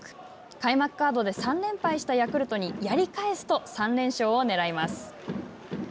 開幕カードで３連敗したヤクルトにやりかえすと３連勝をねらいます。